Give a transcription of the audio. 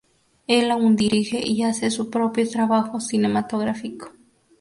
Él aún dirige y hace su propio trabajo cinematográfico.